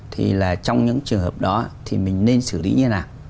thì là trong những trường hợp đó thì mình nên xử lý như thế nào